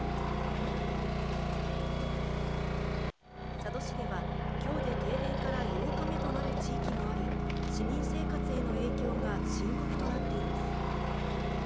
佐渡市では、今日で停電から８日目となる地域もあり、市民生活への影響が深刻となっています。